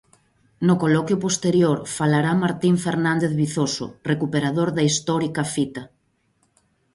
No coloquio posterior falará Martín Fernández Vizoso, recuperador da histórica fita.